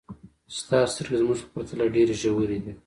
ستا سترګې زموږ په پرتله ډېرې ژورې دي.